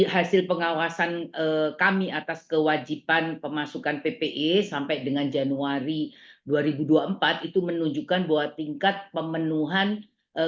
kepentingan ppi itu menunjukkan bahwa tingkat pemenuhan ppi